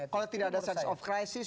kalau tidak ada sense of crisis